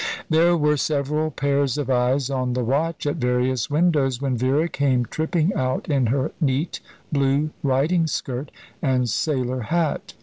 There were several pairs of eyes on the watch at various windows when Vera came tripping out in her neat blue riding skirt and sailor hat.